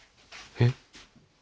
えっ？